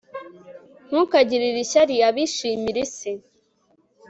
ntukagirire ishyari abishimira isi